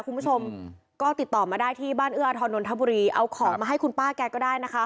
คุณผู้ชมก็ติดต่อมาได้ที่บ้านเอื้ออทรนนทบุรีเอาของมาให้คุณป้าแกก็ได้นะคะ